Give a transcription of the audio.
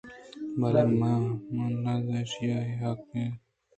بلئے منی نزّ ءَ ایش آئی ءِ حق اِنت